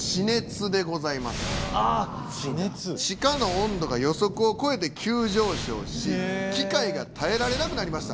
地下の温度が予測を超えて急上昇し機械が耐えられなくなりました。